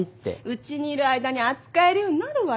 うちにいる間に扱えるようになるわよ。